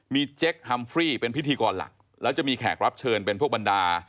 มีเจ๊กฮัมฟรีเป็นพิธีกรหลักแล้วจะมีแขกรับเชิญเป็นพวกบรรดา